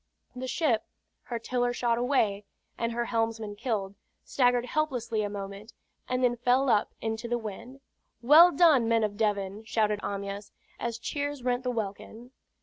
The ship, her tiller shot away, and her helmsman killed, staggered helplessly a moment, and then fell up into the wind. "Well done, men of Devon!" shouted Amyas, as cheers rent the welkin.